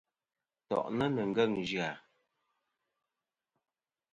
To’ni ni ngeng zya.